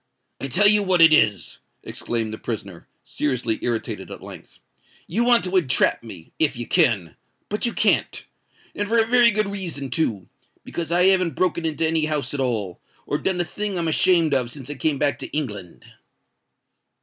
"I tell you what it is," exclaimed the prisoner, seriously irritated at length; "you want to entrap me, if you can—but you can't. And for a very good reason too—because I haven't broken into any house at all, or done a thing I'm ashamed of since I came back to England."